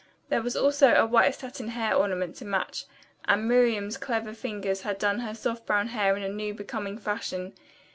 There was also a white satin hair ornament to match, and Miriam's clever fingers had done her soft brown hair in a new, becoming fashion.